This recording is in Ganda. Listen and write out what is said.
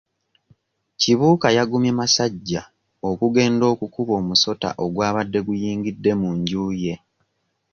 Kibuuka yagumye masajja okugenda okukuba omusota ogwabadde guyingidde mu nju ye.